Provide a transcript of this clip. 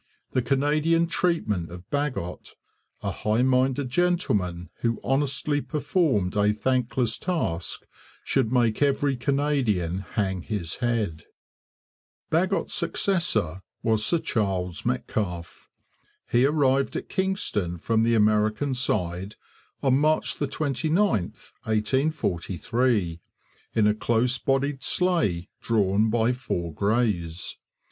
The Canadian treatment of Bagot, a high minded gentleman who honestly performed a thankless task, should make every Canadian hang his head. Bagot's successor was Sir Charles Metcalfe. He arrived at Kingston from the American side on March 29, 1843, in a close bodied sleigh drawn by four greys.